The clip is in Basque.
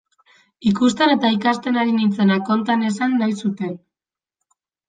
Ikusten eta ikasten ari nintzena konta nezan nahi zuten.